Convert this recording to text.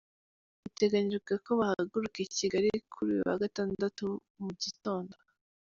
Biteganyijwe ko bahaguruka i Kigali kuri uyu wa gatandatu mu gitondo.